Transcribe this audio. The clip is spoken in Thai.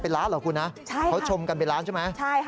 เป็นล้านเหรอคุณนะเขาชมกันเป็นล้านใช่ไหม